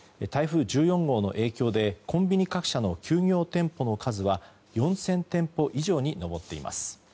台風１４号の影響でコンビニ各社の休業店舗の数は４０００店舗以上に上っています。